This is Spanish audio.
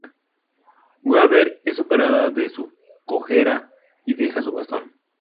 Weaver es operada de su cojera y deja su bastón.